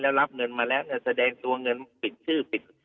แล้วรับเงินมาแล้วแสดงตัวเงินปิดชื่อปิด